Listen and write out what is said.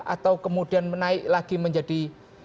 atau kemudian menaik lagi menjadi